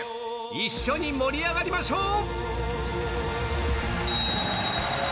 一緒に盛り上がりましょう！